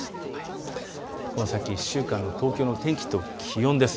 この先、１週間の天気と気温です。